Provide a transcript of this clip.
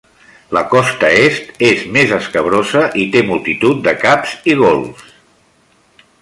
La costa est és més escabrosa i té multitud de caps i golfs.